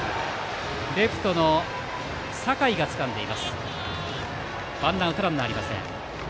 レフトの酒井がつかんでワンアウトランナーありません。